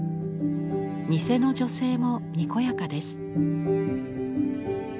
店の女性もにこやかです。